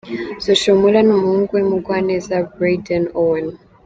Social Mula n’umuhungu we Mugwaneza Brayden Owen.